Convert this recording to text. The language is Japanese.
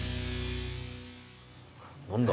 何だ？